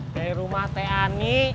dari rumah teh ani